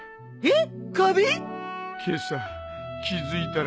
えっ？